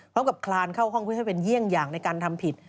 คลานเข้าห้องเพื่อให้เป็นเยี่ยงอย่างในการทำผิด